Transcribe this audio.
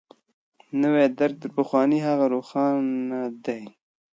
نوی درک تر پخواني هغه روښانه دی.